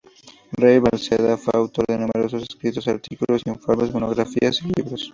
Rey Balmaceda fue autor de numerosos escritos: artículos, informes, monografías y libros.